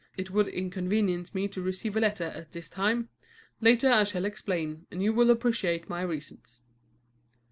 It would inconvenience me to receive a letter at this time. Later I shall explain, and you will appreciate my reasons."